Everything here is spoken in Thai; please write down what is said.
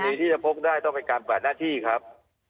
ที่จะพกได้ต้องเป็นการปรับหน้าที่ครับ